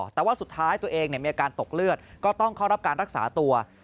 แต่ว่าสุดท้ายตัวเองมีอาการตกเลือดก็ต้องเข้ารับการรักษาตัว